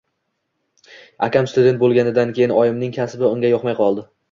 Akam student bo‘lganidan keyin oyimning kasbi unga yoqmay qoldi.